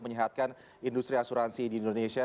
menyehatkan industri asuransi di indonesia